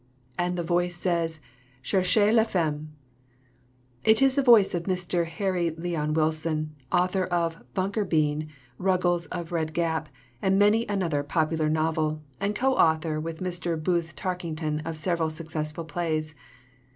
And the voice says, "Cherchez lafemme!" It is the voice of Mr. Harry Leon Wilson, author of Bunker Bean, Ruggles of Red Gap, and many another popular novel, and co author with Mr. Booth Tarkington of several successful plays.